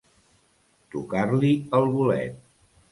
Tocar-li el bolet.